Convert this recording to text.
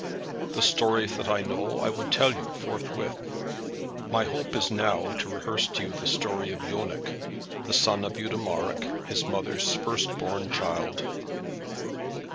The stories that I know I would tell you forthwith. My hope is now to rehearse to you the story of Yonec, the son of Eudemarec, his mother's first born child.